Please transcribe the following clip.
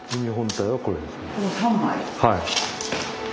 はい。